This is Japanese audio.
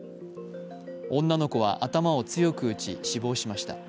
女の子は頭を強く打ち死亡しました。